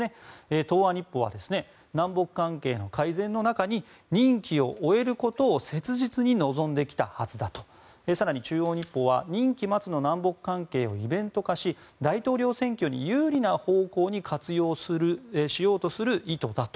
東亜日報は南北関係の改善の中に任期を終えることを切実に望んできたはずだ更に、中央日報は任期末の南北関係をイベント化し大統領選挙に有利な方向に活用しようとする意図だと。